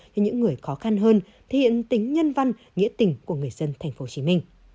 cho những người khó khăn hơn thể hiện tính nhân văn nghĩa tình của người dân tp hcm